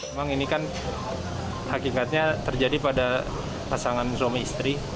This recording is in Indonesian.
memang ini kan hakikatnya terjadi pada pasangan suami istri